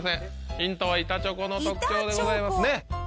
ヒントは板チョコの特徴でございます。